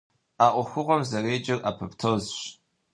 А Ӏуэхугъуэм зэреджэр апоптозщ.